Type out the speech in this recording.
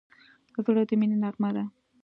زړه د مینې نغمه ده.